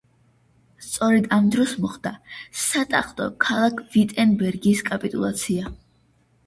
სწორედ ამ დროს მოხდა სატახტო ქალაქ ვიტენბერგის კაპიტულაცია.